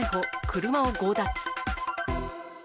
車を強奪。